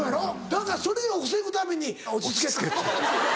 だからそれを防ぐために「落ち着け」って。